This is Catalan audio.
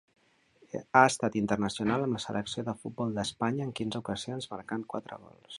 Ha estat internacional amb la selecció de futbol d'Espanya en quinze ocasions marcant quatre gols.